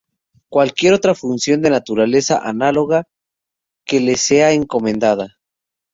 Cualquier otra función de naturaleza análoga que le sea encomendada.